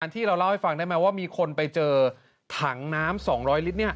ที่เราเล่าให้ฟังได้ไหมว่ามีคนไปเจอถังน้ำ๒๐๐ลิตร